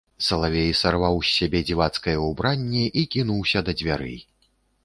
Салавей сарваў з сябе дзівацкае ўбранне і кінуўся да дзвярэй.